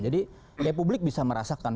jadi ya publik bisa merasakan